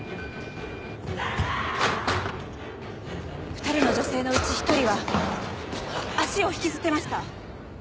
２人の女性のうち１人は足を引きずってました。